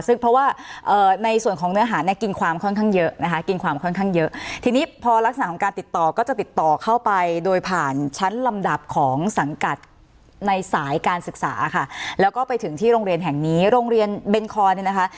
ซึ่งเพราะว่าในส่วนของเนื้อหาน่ากินความค่อนข้างเยอะนะคะ